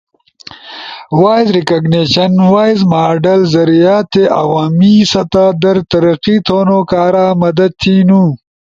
اؤ وائس ریکگنیشن وائس ماڈلز ذریعہ در عوامی سطح در ترقی تھونو کارا مدد تھینو۔